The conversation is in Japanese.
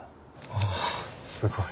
ああすごい。